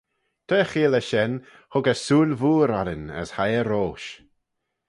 Tra cheayll eh shen hug eh sooill vooar orrin as hie eh roish.